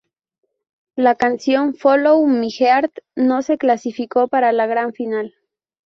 La canción "Follow My Heart" no se clasificó para la gran final.